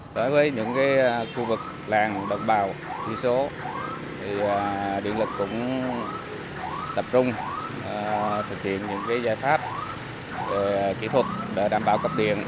đối với những khu vực làng bậc bào thi số thì điện lực cũng tập trung thực hiện những giải pháp kỹ thuật đảm bảo cập điện